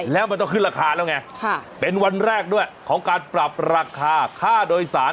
แล้วมันต้องขึ้นราคาแล้วไงเป็นวันแรกด้วยของการปรับราคาค่าโดยสาร